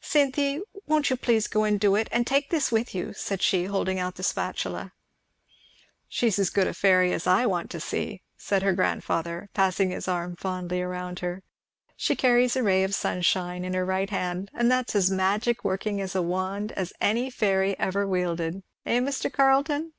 "Cynthy, won't you please go and do it? And take this with you," said she, holding out the spatula. "She is as good a fairy as I want to see," said her grandfather, passing his arm fondly round her. "She carries a ray of sunshine in her right hand; and that's as magic working a wand as any fairy ever wielded, hey, Mr. Carleton?"